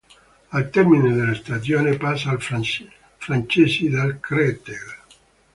Al termine della stagione passa ai francesi del Créteil.